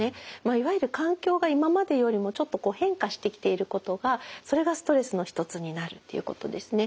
いわゆる環境が今までよりもちょっと変化してきていることがそれがストレスの一つになるっていうことですね。